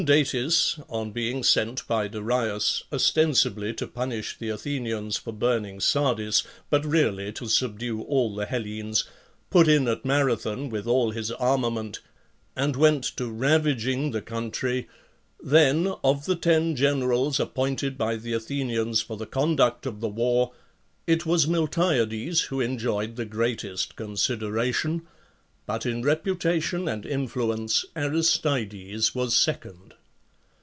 Datis, on being sent by Darius ostensibly to punish the Athenians for burning Sardis, but really to subdue all the Hellenes, put in at Marathon with all his armament and went to ravaging the country, then, of the ten generals appointed by the Athenians for the conduct of the war, it was Miltiades who enjoyed the greatest con sideration, but in reputation and influence Aristides was second.